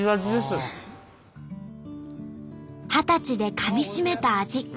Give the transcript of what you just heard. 二十歳でかみしめた味。